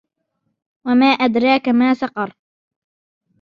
وَمَا أَدْرَاكَ مَا سَقَرُ